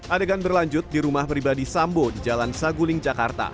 adegan berlanjut di rumah pribadi sambo di jalan saguling jakarta